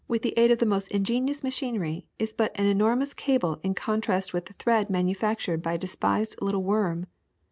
FLAX AND HEMP 35 aid of the most ingenious machinery is but an enor mous cable in contrast with the thread manufactured by a despised little worm.